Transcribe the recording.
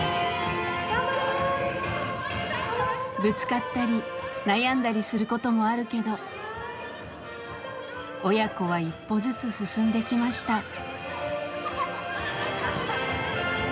ぶつかったり悩んだりすることもあるけど親子は一歩ずつ進んできました。